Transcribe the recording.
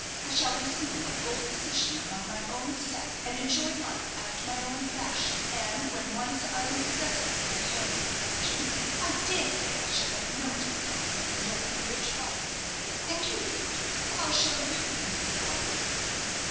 I shall resume my old position among my own set, and enjoy life after my own fashion; and when once I am possessor of a handsome fortune, I dare say I shall have no difficulty in getting a rich wife. And you, Victor, how shall you employ our wealth?"